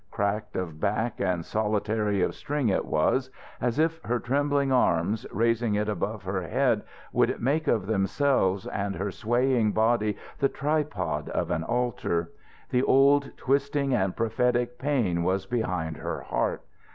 Cracked of back and solitary of string it was as if her trembling arms, raising it above her head, would make of themselves and her swaying body the tripod of an altar. The old twisting and prophetic pain was behind her heart.